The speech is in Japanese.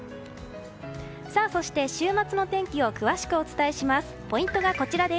そして週末の天気を詳しくお伝えします。